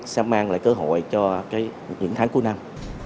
sẽ mang lại cơ hội cho những tháng cuối năm